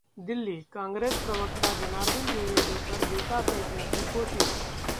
दिल्ली: कांग्रेस प्रवक्ता जनार्दन द्विवेदी पर जूता फेंकने की कोशिश